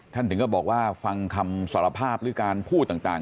ถึงก็บอกว่าฟังคำสารภาพหรือการพูดต่าง